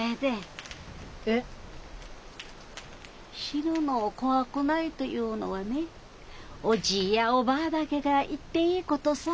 死ぬの怖くないというのはねおじぃやおばぁだけが言っていいことさ。